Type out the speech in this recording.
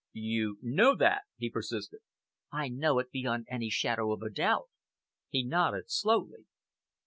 "You know that?" he persisted. "I know it beyond any shadow of doubt." He nodded slowly.